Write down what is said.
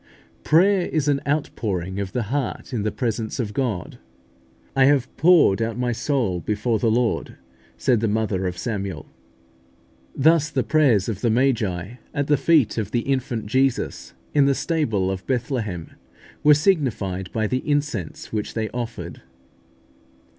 Prayer is an outpouring of the heart in the presence of God. "I have poured out my soul before the Lord," said the mother of Samuel (1 Sam. i. 15). Thus the prayers of the Magi at the feet of the infant Jesus in the stable of Bethlehem were signified by the incense which they offered.